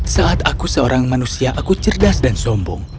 saat aku seorang manusia aku cerdas dan sombong